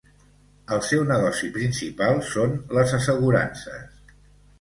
El seu negoci principal són les assegurances.